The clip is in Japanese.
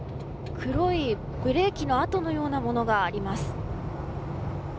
黒いブレーキの跡のようなものがあります。